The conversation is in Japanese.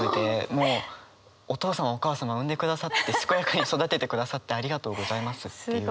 もうお父様お母様産んでくださって健やかに育ててくださってありがとうございますっていう。